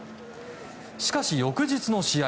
しかし、翌日の試合。